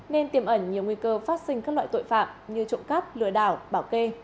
nên tiềm ẩn nhiều nguy cơ phát sinh các loại tội phạm như trộm cắp lừa đảo bảo kê